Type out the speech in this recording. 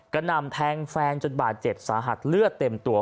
หน่ำแทงแฟนจนบาดเจ็บสาหัสเลือดเต็มตัว